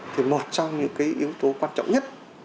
thì một trong những cái yếu tố quan trọng nhất